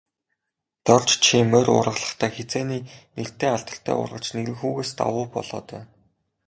Дорж чи морь уургалахдаа, хэзээний нэртэй алдартай уургач Нэрэнхүүгээс давуу болоод байна.